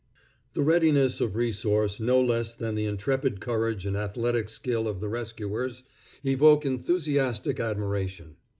The readiness of resource no less than the intrepid courage and athletic skill of the rescuers evoke enthusiastic admiration.